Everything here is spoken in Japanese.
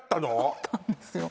あったんですよ